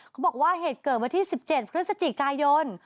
เขาบอกว่าเหตุเกิดวันที่๑๗พฤศจิกายน